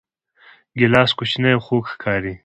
ګیلاس کوچنی او خوږ ښکاري.